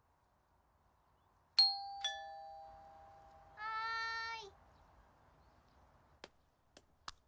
・はい。